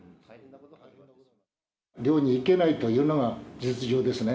漁に行けないというのが実情ですね。